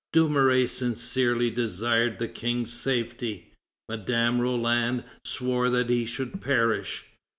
Dumouriez sincerely desired the King's safety; Madame Roland swore that he should perish.